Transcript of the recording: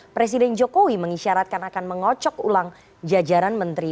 presiden jokowi mengisyaratkan akan mengocok ulang jajaran menteri